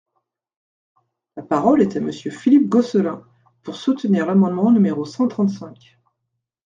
La parole est à Monsieur Philippe Gosselin, pour soutenir l’amendement numéro cent trente-cinq.